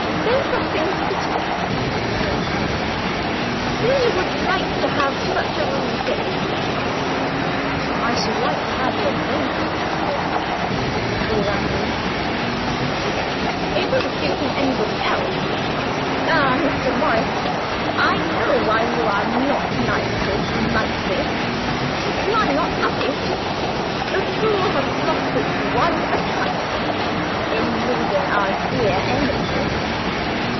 "Say something pretty," she answered; "say you would like to have such a room as this." "I should like to have your prints," he remarked. "Will that do?" "It wouldn't do from anybody else. Ah, Mr. Morris, I know why you are not as nice as you might be! You are not happy. The school has lost its one attraction, in losing our dear Emily.